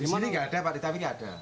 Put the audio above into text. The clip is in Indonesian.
di sini tidak ada pak di tawiri ada